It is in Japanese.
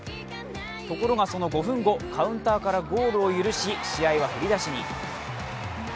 ところがその５分後、カウンターからゴールを許し、試合は振り出しに。